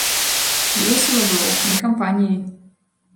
Весела было, мы кампаніяй.